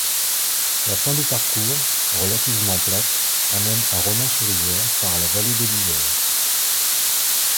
La fin de parcours, relativement plate, amène à Romans-sur-Isère par la vallée de l'Isère.